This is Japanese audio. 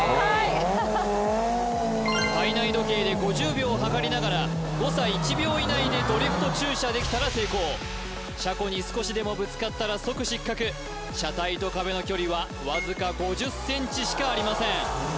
体内時計で５０秒を計りながら誤差１秒以内でドリフト駐車できたら成功車庫に少しでもぶつかったら即失格車体と壁の距離はわずか５０ｃｍしかありません